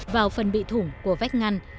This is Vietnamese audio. vào phần bị thủng của vách ngăn